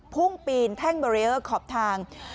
พุ่งปีนแท่งบารียอร์ขอบทาง